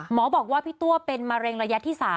หมอบอกว่าพี่ตัวเป็นมะเร็งระยะที่๓